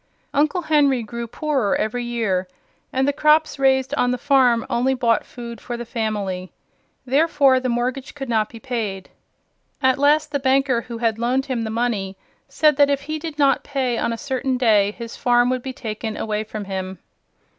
Uncle Henry grew poorer every year, and the crops raised on the farm only bought food for the family. Therefore the mortgage could not be paid. At last the banker who had loaned him the money said that if he did not pay on a certain day, his farm would be taken away from him.